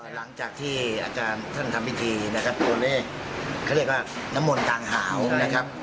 หลังจากที่อาจารย์ท่านทำพิธีนะครับตัวเลขเขาเรียกว่าน้ำมนต์กลางหาวนะครับ